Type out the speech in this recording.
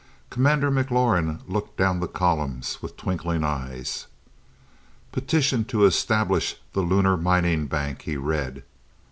Commander McLaurin looked down the columns with twinkling eyes. "'Petition to establish the Lunar Mining Bank,'" he read.